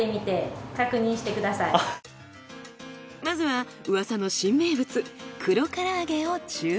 まずはウワサの新名物。